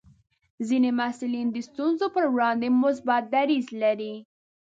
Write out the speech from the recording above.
ځینې محصلین د ستونزو پر وړاندې مثبت دریځ لري.